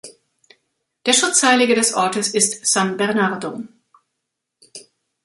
Der Schutzheilige des Ortes ist San Bernardo.